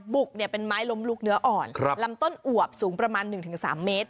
บุกเป็นไม้ล้มลุกเนื้ออ่อนลำต้นอวบสูงประมาณ๑๓เมตร